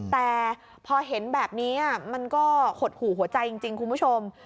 แต่พอเห็นแบบนี้มันก็หดหู่หัวใจจริงคุณผู้ชม